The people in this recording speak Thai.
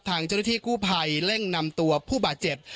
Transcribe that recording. ทางเจ้าหน้าที่กู้ภัยเร่งนำตัวผู้บาดเจ็บ